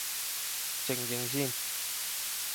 靜靜先